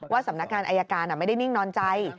สำนักงานอายการไม่ได้นิ่งนอนใจ